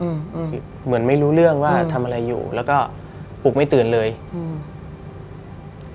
อืมเหมือนไม่รู้เรื่องว่าทำอะไรอยู่แล้วก็ปลุกไม่ตื่นเลยอืม